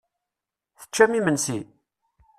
Teččam imensi?